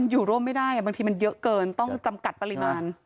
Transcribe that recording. อยู่ร่วมไม่ได้บางทีมันเยอะเกินต้องจำกัดปริมาณ